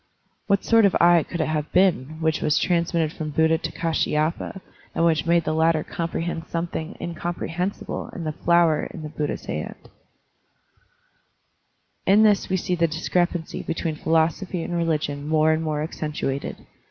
What sort of eye could it have been which was transmitted from Buddha to Kdshyapa and which made the Digitized by Google 142 SERMONS OF A BUDDHIST ABBOT latter comprehend something incomprehensible in the flower in Buddha's hand? In this we see the discrepancy between phi losophy and religion more and more accentuated.